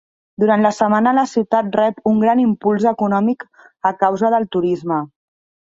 Durant la setmana la ciutat rep un gran impuls econòmic a causa del turisme.